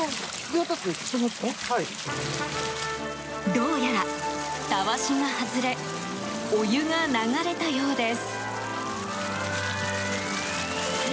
どうやら、たわしが外れお湯が流れたようです。